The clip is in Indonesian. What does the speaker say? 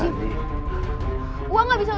kamu mungkin ditengtheng sama ku